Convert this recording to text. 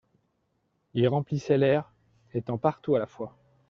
Il remplissait l'air, étant partout à la fois.